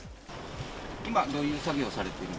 今、どういう作業されてるん